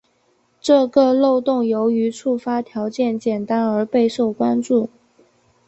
这个漏洞由于触发条件简单而备受关注。